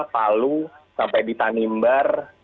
palu sampai di tanimbar